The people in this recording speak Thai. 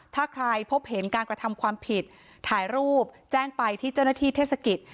ถ้าใครพบเห็นการกระทำความผิดถ่ายรูปแจ้งไปที่เจ้าหน้าที่เทศกิจ